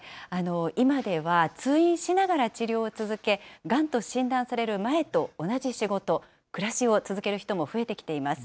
今では、通院しながら治療を続け、がんと診断される前と同じ仕事、暮らしを続ける人も増えてきています。